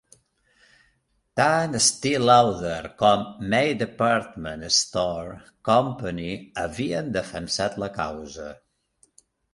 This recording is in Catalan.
Tant Estee Lauder com May Department Store Company havien defensat la causa.